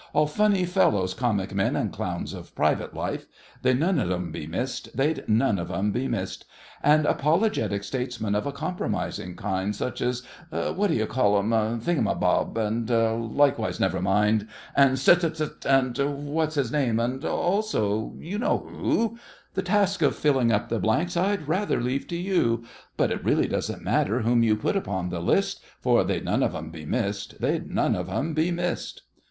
All funny fellows, comic men, and clowns of private life— They'd none of 'em be missed—they'd none of 'em be missed. And apologetic statesmen of a compromising kind, Such as—What d'ye call him—Thing'em bob, and likewise—Never mind, And 'St—'st—'st—and What's his name, and also You know who— The task of filling up the blanks I'd rather leave to you. But it really doesn't matter whom you put upon the list, For they'd none of 'em be missed—they'd none of 'em be missed!